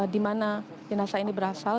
di mana jenazah ini berasal